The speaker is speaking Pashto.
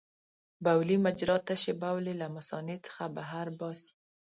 بولي مجرا تشې بولې له مثانې څخه بهر باسي.